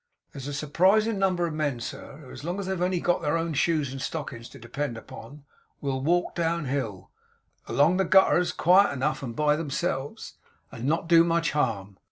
There's surprisin' number of men sir, who as long as they've only got their own shoes and stockings to depend upon, will walk down hill, along the gutters quiet enough and by themselves, and not do much harm.